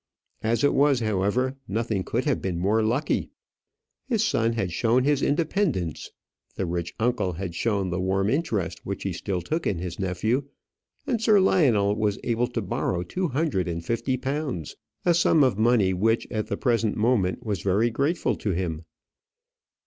As it was, however, nothing could have been more lucky. His son had shown his independence. The rich uncle had shown the warm interest which he still took in his nephew, and Sir Lionel was able to borrow two hundred and fifty pounds, a sum of money which, at the present moment, was very grateful to him.